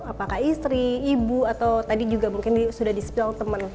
apakah istri ibu atau tadi juga mungkin sudah di spill teman